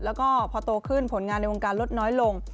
แล้วก็พอโตขึ้นผลงานในวงการลดน้อยลง